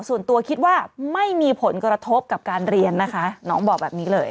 ส่วนตัวคิดว่าไม่มีผลกระทบกับการเรียนนะคะน้องบอกแบบนี้เลย